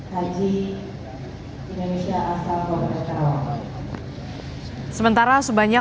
sebelas haji indonesia asal kabupaten karawang